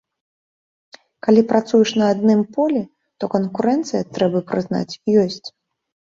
Калі працуеш на адным полі, то канкурэнцыя, трэба прызнаць, ёсць.